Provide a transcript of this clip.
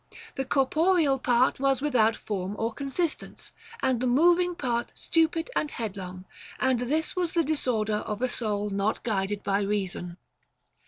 The corporeal part was without form or consistence, and the moving part stupid and headlong ; and this was the disorder of a soul not guided by reason.